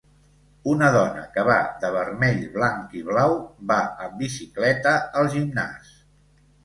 Una dona que va de vermell, blanc i blau, va amb bicicleta al gimnàs.